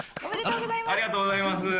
ありがとうございます。